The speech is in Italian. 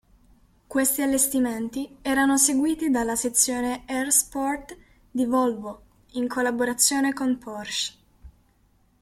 Questi allestimenti erano seguiti dalla sezione R-Sport di Volvo in collaborazione con Porsche.